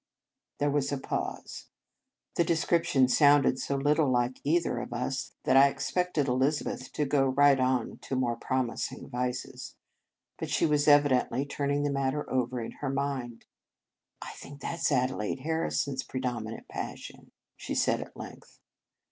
There was a pause. The descrip tion sounded so little like either of us that I expected Elizabeth to go right 90 In Retreat on to more promising vices. But she was evidently turning the matter over in her mind. " I think that s Adelaide Harri son s predominant passion," she said at length.